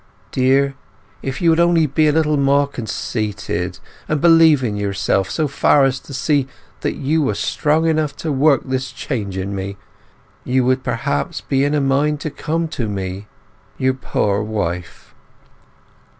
Dear, if you would only be a little more conceited, and believe in yourself so far as to see that you were strong enough to work this change in me, you would perhaps be in a mind to come to me, your poor wife.